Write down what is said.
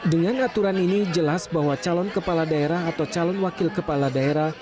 dengan aturan ini jelas bahwa calon kepala daerah atau calon wakil kepala daerah